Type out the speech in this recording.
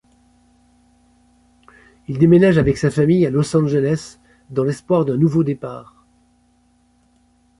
Il déménage avec sa famille à Los Angeles dans l'espoir d'un nouveau départ.